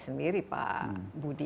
sendiri pak budi